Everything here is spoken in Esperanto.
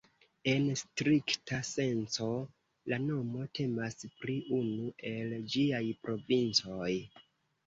En strikta senco, la nomo temas pri unu el ĝiaj provincoj.